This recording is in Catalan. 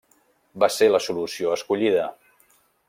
Va ser la solució escollida.